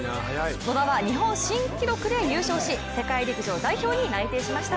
野田は日本新記録で優勝し世界陸上代表に内定しました。